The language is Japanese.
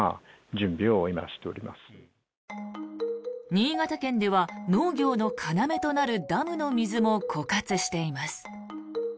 新潟県では農業の要となるダムの水も枯渇しています。